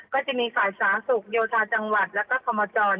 ก็จะมีฝ่ายศาสตร์ศุกร์โยชน์ศาสตร์จังหวัดแล้วก็ธรรมจร